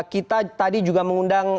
kita tadi juga mengundang